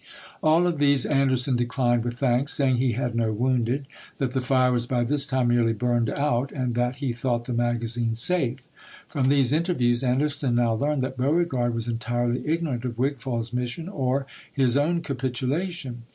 All of these Anderson declined with thanks, saying he had no wounded, that the fire was by this time nearly burned out, and that he thought the magazine safe. From these inter views Anderson now learned that Beauregard was entirely ignorant of Wigfall's mission or his own capitulation.